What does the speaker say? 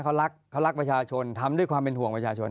เขารักเขารักประชาชนทำด้วยความเป็นห่วงประชาชน